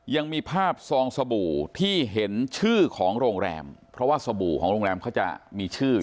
ยังมีภาพซองสบู่ที่เห็นชื่อของโรงแรมเพราะว่าสบู่ของโรงแรมเขาจะมีชื่อ